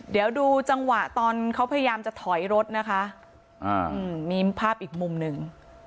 เดี๋ยวดูจังหวะตอนเขาพยายามจะถอยรถนะคะมีภาพอีกมุมหนึ่ง